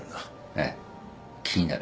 ええ気になる。